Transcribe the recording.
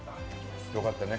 よかったね。